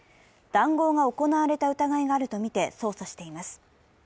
談合が行われた疑いがあるとみて捜査しています。